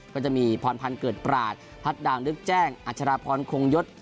ก็จะมีพรพันธ์เกิดปราศพัดดาวนึกแจ้งอัชราพรคงยศ